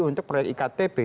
untuk proyek iktp